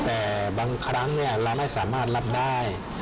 แต่บางครั้งเราไม่สามารถรับได้